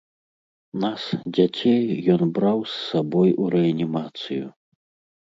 Нас, дзяцей, ён браў з сабой у рэанімацыю.